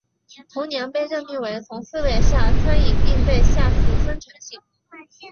同年被任命为从四位下参议并被下赐丰臣姓。